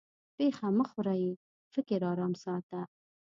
پېښه مه خورې؛ فکر ارام ساته.